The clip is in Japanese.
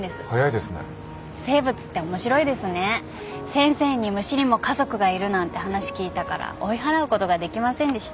先生に虫にも家族がいるなんて話聞いたから追い払うことができませんでした。